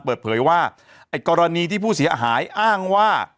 เปิดเผยว่าไอ้กรณีที่ผู้เสียหายอ้างว่า